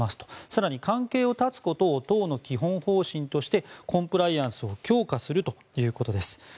更に関係を断つことを党の基本方針としてコンプライアンスを強化するということです。